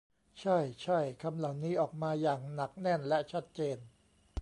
ใช่ ใช่ คำเหล่านี้ออกมาอย่างหนักแน่นและชัดเจน